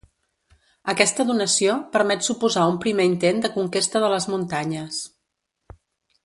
Aquesta donació permet suposar un primer intent de conquesta de les muntanyes.